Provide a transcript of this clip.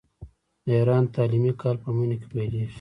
د ایران تعلیمي کال په مني کې پیلیږي.